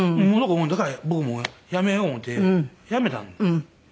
だから僕も辞めよう思って辞めたんです。